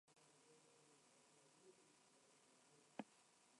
Sus experiencias en España movieron su lealtad política al bando sublevado.